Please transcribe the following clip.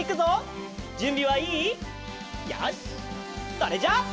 それじゃあ。